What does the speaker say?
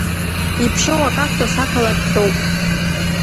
Иԥшьоу Акактус ақалақь ҳәоуп.